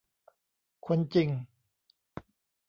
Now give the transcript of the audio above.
คนจริง ?